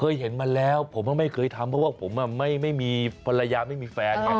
เคยเห็นมาแล้วผมไม่เคยทำเพราะว่าผมไม่มีภรรยาไม่มีแฟนไง